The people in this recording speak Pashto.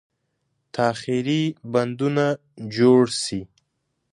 تاخیري بندونه جوړ شي.